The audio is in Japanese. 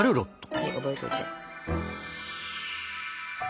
はい覚えといて。